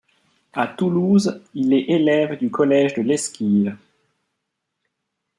À Toulouse il est élève du collège de l’Esquile.